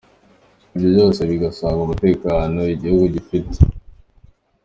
Ibyo byose bigasanga umutekano igihugu gifite.